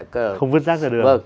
không vứt rác ra đường